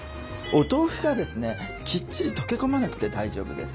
お豆腐がですねきっちり溶け込まなくて大丈夫です。